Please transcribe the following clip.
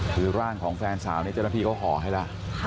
ซึ่งร่างของแฟนสาวเนี่ยเจ้าท้านพี่เขาขอให้หรอค่ะ